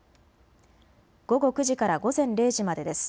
午後９時から午前０時までです。